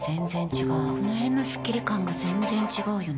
この辺のスッキリ感が全然違うよね。